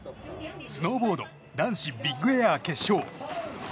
スノーボード男子ビッグエア決勝。